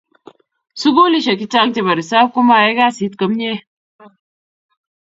sukulisek che chang che bo resap komai kasit komie